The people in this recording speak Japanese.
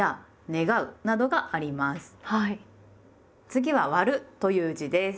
次は「『割』る」という字です。